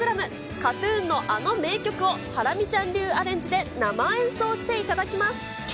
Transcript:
ＫＡＴーＴＵＮのあの名曲を、ハラミちゃん流アレンジで生演奏していただきます。